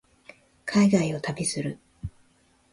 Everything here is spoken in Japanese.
海外を旅する